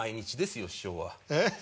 えっ？